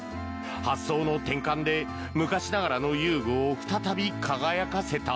発想の転換で昔ながらの遊具を再び輝かせた。